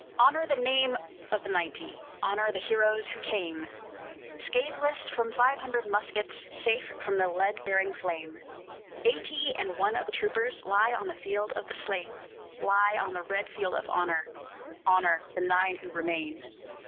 Honor the name of the ninety; Honor the heroes who came Scatheless from five hundred muskets, Safe from the lead bearing flame. Eighty and one of the troopers Lie on the field of the slain Lie on the red field of honor: Honor the nine who remain!